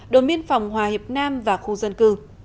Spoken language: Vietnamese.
đồ miên phòng hòa hiệp nam và khu dân cư